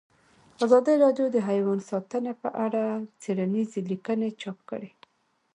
ازادي راډیو د حیوان ساتنه په اړه څېړنیزې لیکنې چاپ کړي.